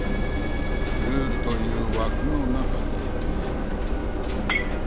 ルールという枠の中でね。